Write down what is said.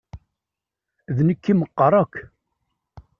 D nekk i meqqer akk.